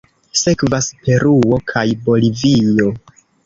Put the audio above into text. Sekvas Peruo kaj Bolivio.